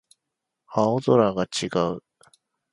青空が違う